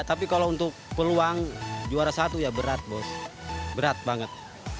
tapi kalau untuk peluang juara satu ya berat bos berat banget